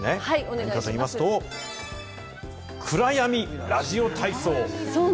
何かと言いますと、暗闇ラジオ体操。